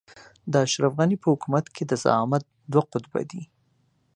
د اشرف غني په حکومت کې د زعامت دوه قطبه دي.